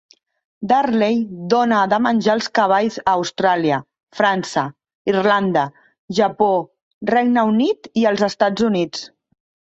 Darley dóna de menjar als cavalls a Austràlia, França, Irlanda, Japó, Regne Unit i els EUA.